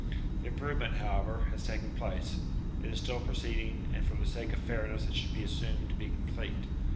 The improvement, 76 UTILITY OF RELIGION however, has taken place ; it is still proceeding, and for the sake of fairness it should be assumed to be complete.